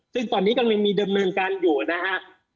ซึ่งตอนนี้กำลังมีดำเนินการอยู่นะฮะ